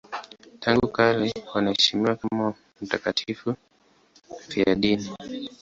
Tangu kale wanaheshimiwa kama mtakatifu mfiadini.